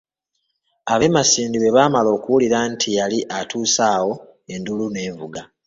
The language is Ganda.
Ab'e masindi bwe baamala okuwulira nti yali atuuse awo enduulu n'evuga.